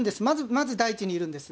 まず第一にいるんです。